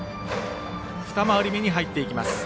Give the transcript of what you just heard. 二回り目に入っていきます。